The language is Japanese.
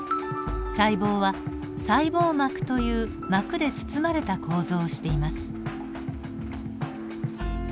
細胞は細胞膜という膜で包まれた構造をしています。